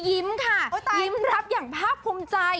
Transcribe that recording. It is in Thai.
ยิ้มค่ะยิ้มรับอย่างภาคภูมิใจ